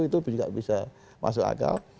itu juga bisa masuk akal